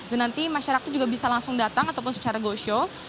nanti masyarakat juga bisa langsung datang ataupun secara go show